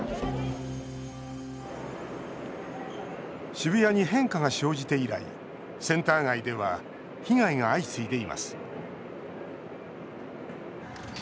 渋谷に変化が生じて以来センター街では被害が相次いでいます。